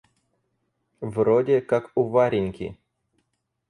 В роде как у Вареньки.